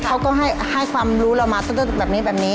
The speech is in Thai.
เขาก็ให้ความรู้เรามาแบบนี้แบบนี้